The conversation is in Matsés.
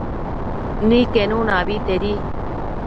Niquenuna abetedi